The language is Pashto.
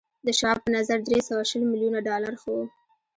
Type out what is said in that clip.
د شواب په نظر درې سوه شل ميليونه ډالر ښه و